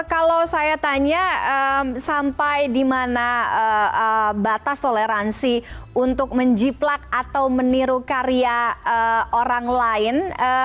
kalau saya tanya sampai di mana batas toleransi untuk menjiplak atau meniru karya orang lain